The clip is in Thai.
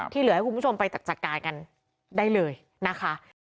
เหลือให้คุณผู้ชมไปจัดการกันได้เลยนะคะ